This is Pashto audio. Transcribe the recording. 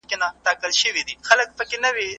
زه اوږده وخت د سبا لپاره د لغتونو زده کړه کوم وم.